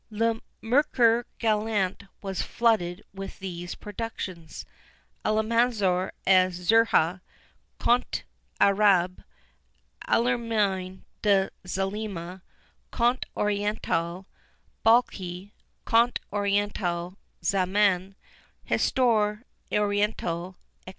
Le Mercure Galant was flooded with these productions. Almanzor et Zehra, Conte Arabe; Almerine et Zelima, Conte Oriental; Balky, Conte Oriental; Zaman, Histoire Oriental, _&c.